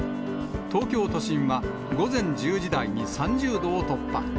東京都心は、午前１０時台に３０度を突破。